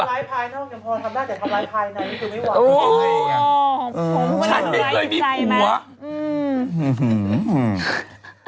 ยืม